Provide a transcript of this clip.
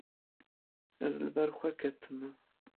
Ez li ber xwe ketime.